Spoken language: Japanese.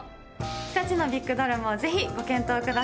日立のビッグドラムをぜひご検討ください。